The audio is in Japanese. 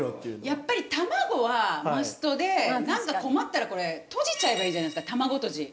やっぱり卵はマストでなんか困ったらこれとじちゃえばいいじゃないですか卵とじ。